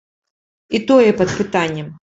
І тое пад пытаннем.